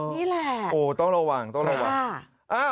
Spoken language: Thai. นี่แหละโอ้ต้องระวังต้องระวัง